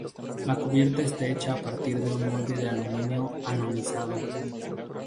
La cubierta está hecha a partir de un molde de aluminio anodizado.